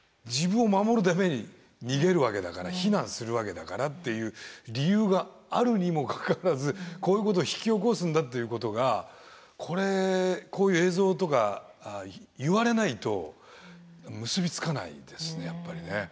自分を守るために逃げるわけだから避難するわけだからっていう理由があるにもかかわらずこういうことを引き起こすんだっていうことがこれこういう映像とか言われないと結び付かないですねやっぱりね。